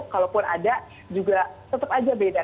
kalaupun ada juga tetap aja beda